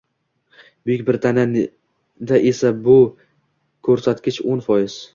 Buyuk Britaniyada esa bu koʻrsatgich o'n foiz?